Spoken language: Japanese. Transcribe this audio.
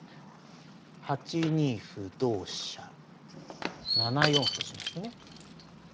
８二歩同飛車７四歩としましてね。